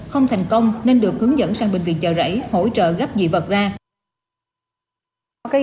không thành công nên được hướng dẫn sang bệnh viện chợ rẫy hỗ trợ gấp dị vật ra